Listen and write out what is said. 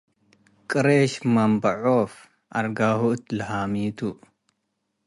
ቅሬሽ መንበ ዖፍ አርግሁ እት ለሃሚቱ